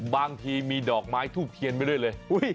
บางทีมีดอกไม้ทุกเคียนไปด้วย